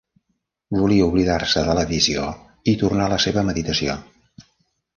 Volia oblidar-se de la visió i tornar a la seva meditació.